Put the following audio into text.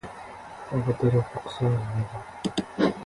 अब तेरो फोक्सो हान्ने भो।